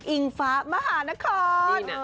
อิงฟ้ามหานคร